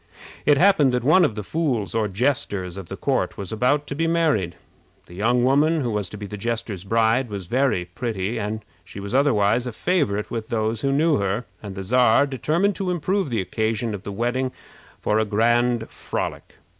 It happened that one of the fools or jesters of the court was about to be married. The young woman who was to be the jester's bride was very pretty, and she was otherwise a favorite with those who knew her, and the Czar determined to improve the occasion of the wedding for a grand frolic.